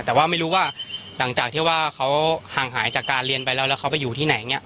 แต่ว่าไม่รู้ว่าหลังจากที่ว่าเขาห่างหายจากการเรียนไปแล้วแล้วเขาไปอยู่ที่ไหนเนี่ย